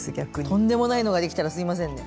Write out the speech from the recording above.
とんでもないのができたらすいませんね。